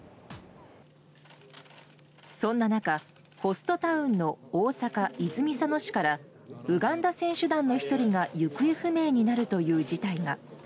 そんな中、ホストタウンの大阪・泉佐野市からウガンダ選手団の１人が行方不明になるという事態が。